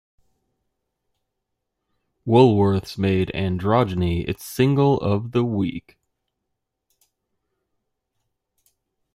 Woolworths made "Androgyny" its 'Single of the Week'.